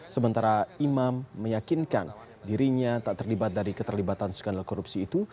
sementara imam meyakinkan dirinya tak terlibat dari keterlibatan skandal korupsi itu